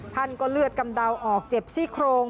ท่านก็เลือดกำเดาออกเจ็บซี่โครง